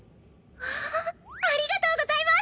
わあありがとうございます！